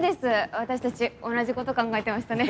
私たち同じこと考えてましたね。